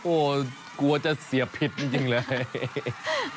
โอ้โหกลัวจะเสียผิดจริงเลย